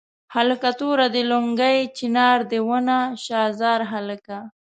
هلکه توره دې لونګۍ چنار دې ونه شاه زار هلکه.